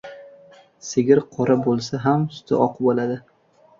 • Sigir qora bo‘lsa ham suti oq bo‘ladi.